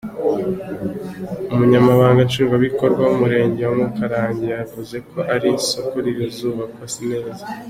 Umunyamabanga Nshingwabikorwa w’Umurenge wa Mukarange yavuze ko iri soko rizubakwa neza.